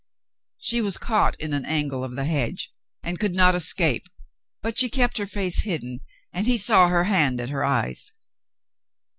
She was caught in an angle of the hedge, and could not escape, but she kept her face hidden, and he saw her hand at her eyes.